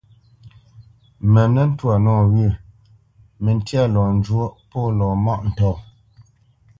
Mə nə́ ntwâ nɔwyə̂, məntya lɔ njwóʼ pô lɔ mâʼ ntɔ̂.